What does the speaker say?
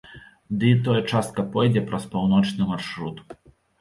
Ды і тое частка пойдзе праз паўночны маршрут.